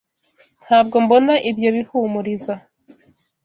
Ntabwo mbona ibyo bihumuriza.